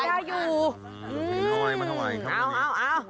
ทอวาย